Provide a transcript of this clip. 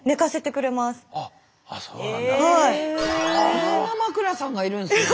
いろんな枕さんがいるんすね。